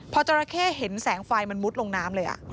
พอจราเข้เห็นแสงไฟมันมุดลงน้ำเลย